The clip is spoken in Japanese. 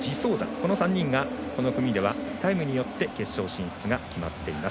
この３人がこの組ではタイムによって決勝進出が決まっています。